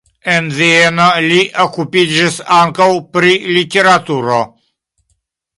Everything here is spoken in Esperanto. En Vieno li okupiĝis ankaŭ pri literaturo.